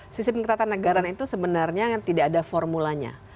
sisi pengetatan negara itu sebenarnya tidak ada formulanya